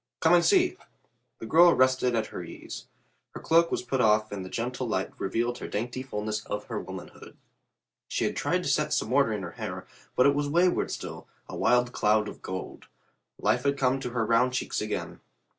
"Come and see." The girl rested at her ease. Her cloak was put off and the gentle light revealed the dainty fulness of her womanhood. She had tried to set some order in her hair, but it was wayward still, a wild cloud of gold. Life had come to her round cheeks again.